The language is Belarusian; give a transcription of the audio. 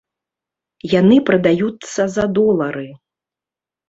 Яны прадаюцца за долары.